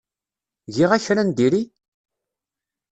Giɣ-ak kra n diri?